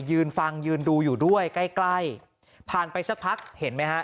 ยืนฟังยืนดูอยู่ด้วยใกล้ใกล้ผ่านไปสักพักเห็นไหมฮะ